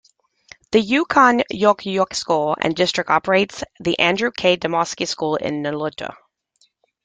The Yukon-Koyukuk School District operates the Andrew K. Demoski School in Nulato.